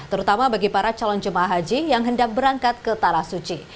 terutama bagi para calon jemaah haji yang hendak berangkat ke tanah suci